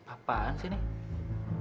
apaan sih ini